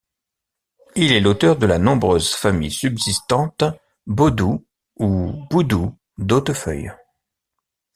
Il est l'auteur de la nombreuse famille subsistante Baudoult ou Boudoux d'Hautefeuille.